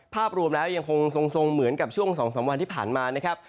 ภาพรวมแล้วยังคงทรงเหมือนกับช่วง๒๓วันที่ผ่านมานะครับ